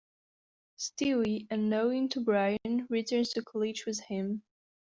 Stewie, unknowing to Brian, returns to college with him.